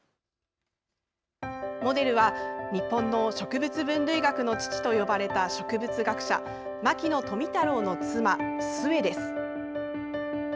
モデルは、日本の植物分類学の父と呼ばれた植物学者牧野富太郎の妻壽衛です。